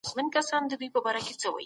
زورواکي هیڅکله دوامداره نه وي.